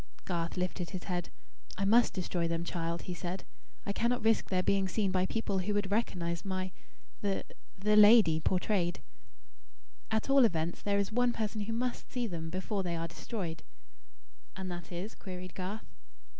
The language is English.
Garth lifted his head. "I must destroy them, child," he said. "I cannot risk their being seen by people who would recognise my the the lady portrayed." "At all events, there is one person who must see them, before they are destroyed." "And that is?" queried Garth.